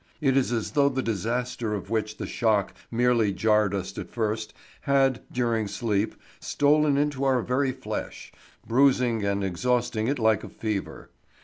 It is as though the disaster of which the shock merely jarred us at first, had, during sleep, stolen into our very flesh, bruising and exhausting it like a fever.